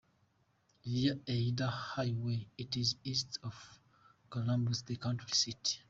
Via either highway it is east to Columbus, the county seat.